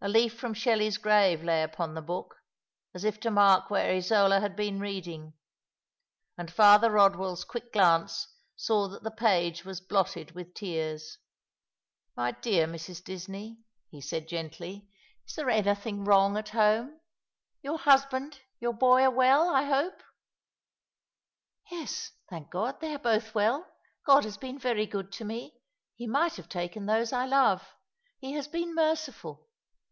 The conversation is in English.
A leaf from Shelley's grave lay upon the book, as if to mark where Isola had been reading, and Father Eod well's quick glance saw that the page was blotted with tears. " My dear Mrs. Disney," he said gently, " is there anything /;/ tke Shadow of the Tomh!^ 257 wrong at home? Your husband, your boy are well, I hope ?"" Yes, thank God, they are both well. God has been very good to me. He might have taken those I love. He has been merciful."